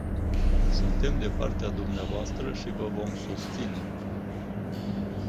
Suntem de partea dumneavoastră și vă vom susține.